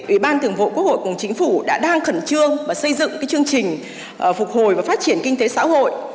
ủy ban thường vụ quốc hội cùng chính phủ đã đang khẩn trương xây dựng chương trình phục hồi và phát triển kinh tế xã hội